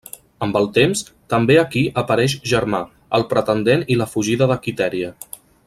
Amb el temps, també aquí apareix Germà, el pretendent i la fugida de Quitèria.